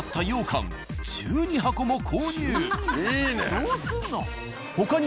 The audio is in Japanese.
どうすんの？